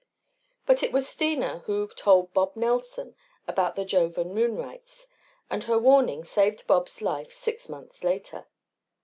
But it was Steena who told Bub Nelson about the Jovan moon rites and her warning saved Bub's life six months later.